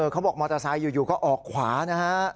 เขาบอกมอเตอร์ไซค์อยู่ก็ออกขวานะฮะ